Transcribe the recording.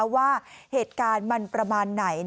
ว่าเหตุการณ์มันประมาณไหน